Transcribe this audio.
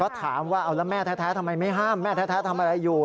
ก็ถามว่าแม่แท้ทำไมไม่ห้ามแม่แท้ทำอะไรอยู่